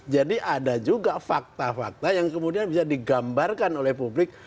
jadi ada juga fakta fakta yang kemudian bisa digambarkan oleh publik